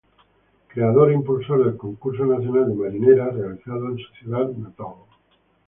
Creador e impulsor del Concurso Nacional de Marinera realizado en su ciudad natal.